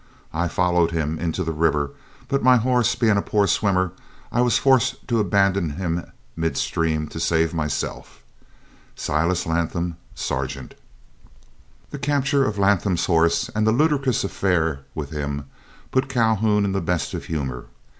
I followed him into the river, but my horse being a poor swimmer, I was forced to abandon him in mid stream to save myself. SILAS LATHAM, Sergeant. The capture of Latham's horse and the ludicrous affair with him put Calhoun in the best of humor.